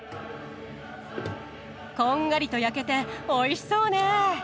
こんがりと焼けておいしそうね。